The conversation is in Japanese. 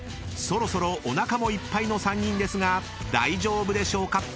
［そろそろおなかもいっぱいの３人ですが大丈夫でしょうか？］